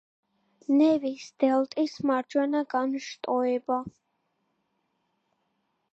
ნევის დელტის მარჯვენა განშტოება.